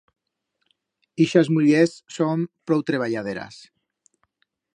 Ixas mullers son prou treballaderas.